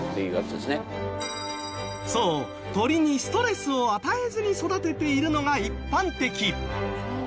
そう鶏にストレスを与えずに育てているのが一般的。